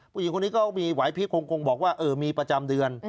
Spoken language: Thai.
ผู้หญิงคนนี้ก็มีไหวพลิกคงบอกว่ามีประจำเดือน